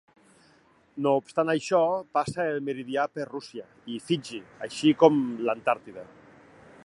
No obstant això, passa el meridià per Rússia i Fiji així com l'Antàrtida.